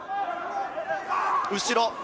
後ろ。